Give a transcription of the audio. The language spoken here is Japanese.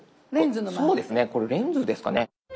そうですねこれレンズですかね。